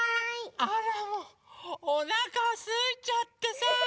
あらもうおなかすいちゃってさ。